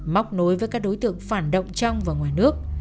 móc nối với các đối tượng phản động trong và ngoài nước